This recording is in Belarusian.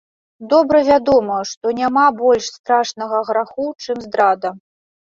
Добра вядома, што няма больш страшнага граху, чым здрада.